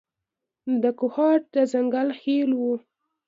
د کوهاټ د ځنګل خېلو و.